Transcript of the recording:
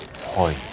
はい。